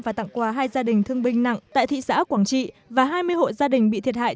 và tặng quà hai gia đình thương binh nặng tại thị xã quảng trị và hai mươi hộ gia đình bị thiệt hại